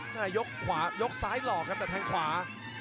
แต่ยกขวายกซ้ายหลอกครับแต่แทงขวา